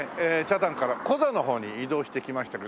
北谷からコザの方に移動してきました